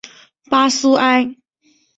巴苏埃。